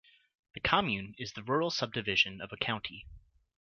The commune is the rural subdivision of a county.